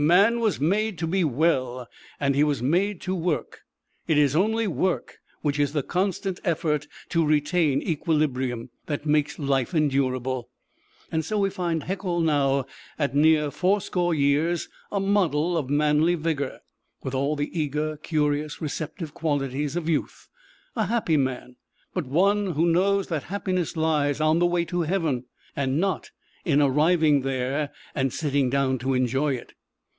Man was made to be well, and he was made to work. It is only work which is the constant effort to retain equilibrium that makes life endurable. So we find Haeckel now, at near fourscore years, a model of manly vigor, with all the eager, curious, receptive qualities of youth a happy man, but one who knows that happiness lies on the way to Heaven, and not in arriving there and sitting down to enjoy it.